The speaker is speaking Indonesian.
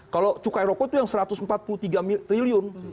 kalau cukai rokok itu yang satu ratus empat puluh tiga triliun